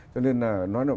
cho nên là nói là